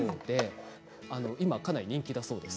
今、かなり人気だそうです。